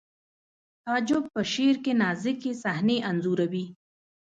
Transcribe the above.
تعجب په شعر کې نازکې صحنې انځوروي